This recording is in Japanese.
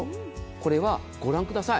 これはご覧ください